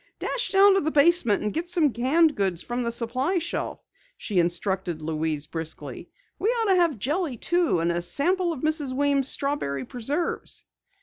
"Dash down to the basement and get some canned goods from the supply shelf," she instructed Louise briskly. "We ought to have jelly too, and a sample of Mrs. Weems' strawberry preserves."